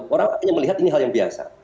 orang hanya melihat ini hal yang biasa